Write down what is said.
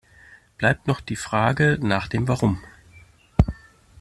Bleibt noch die Frage nach dem Warum.